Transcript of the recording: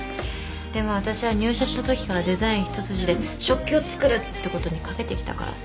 でも私は入社したときからデザイン一筋で食器を作るってことに懸けてきたからさ。